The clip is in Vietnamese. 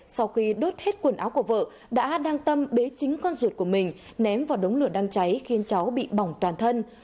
sau khi đốt hết quần áo của vợ đã đăng tâm bế chính con ruột của mình ném vào đống lửa đam cháy khiến cháu bị bỏng toàn thân